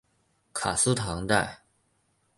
卡斯唐代。